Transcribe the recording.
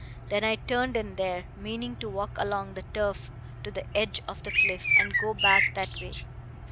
Then I turned in there, meaning to walk along the turf to the edge of the cliff, and go back that way.